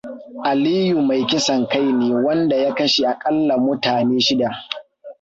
Aliyu mai kisan kai ne wanda ya kashe akalla mutane shida.